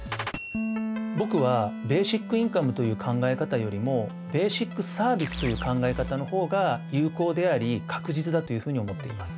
僕はベーシックインカムという考え方よりもベーシックサービスという考え方の方が有効であり確実だというふうに思っています。